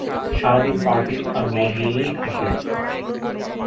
সারাদিন পার্টি আর মদ নিয়েই থাকে।